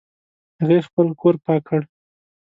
هغې خپل کور پاک کړ